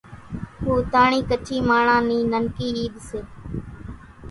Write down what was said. ھوتاھڻِي ڪڇي ماڻۿان نِي ننڪي عيد سي